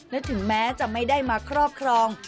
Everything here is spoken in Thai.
และถึงแม้จะไม่ได้มาครอบครอง